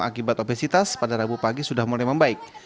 akibat obesitas pada rabu pagi sudah mulai membaik